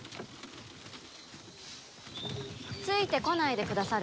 ついてこないでくださる？